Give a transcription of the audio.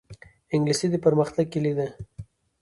انګلیسي د پرمختګ کلي ده